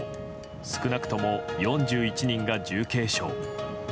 少なくとも４１人が重軽傷。